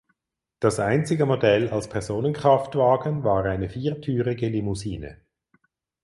Das einzige Modell als Personenkraftwagen war eine viertürige Limousine.